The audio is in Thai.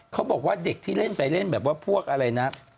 เขาบอกว่าเด็กที่เล่นไปเล่นแบบว่าพวกอะไรนะ